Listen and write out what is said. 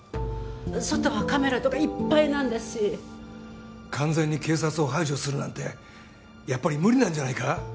外はカメラとかいっぱいなんだし完全に警察を排除するなんてやっぱり無理なんじゃないか？